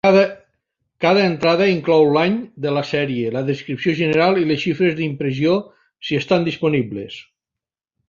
Cada entrada inclou l'any de la sèrie, la descripció general i les xifres d'impressió, si estan disponibles.